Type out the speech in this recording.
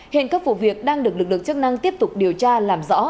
hiện các vụ việc đang được lực lượng chức năng tiếp tục điều tra làm rõ